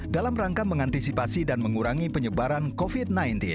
dalam rangka mengantisipasi dan mengurangi penyebaran covid sembilan belas